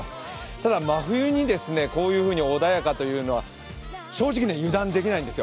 ただ、真冬にこういうふうに穏やかというのは正直、油断ができないんですよ。